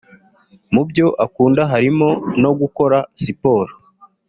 Mu byo akunda harimo no gukora siporo